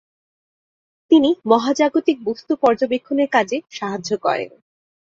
তিনি মহাজাগতিক বস্তু পর্যবেক্ষণের কাজে সাহায্য করেন।